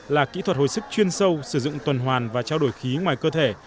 là kỹ thuật hồi sức chuyên sâu sử dụng tuần hoàn và trao đổi khí ngoài cơ thể